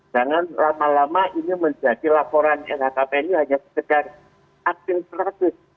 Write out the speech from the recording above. jangan lama lama ini menjadi laporan nhkp ini hanya segedar aktif aktif